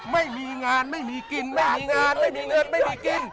ไม่มีงานไม่มีกินไม่มีงานไม่มีเงินไม่มีกิน